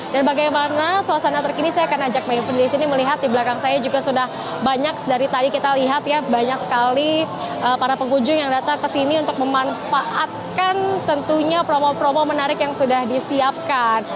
dan bagaimana suasana terkini saya akan ajak mevri dari sini melihat di belakang saya juga sudah banyak dari tadi kita lihat ya banyak sekali para pengunjung yang datang ke sini untuk memanfaatkan tentunya promo promo menarik yang sudah disiapkan